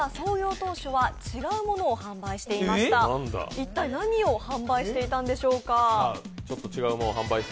一体何を販売していたんでしょうか。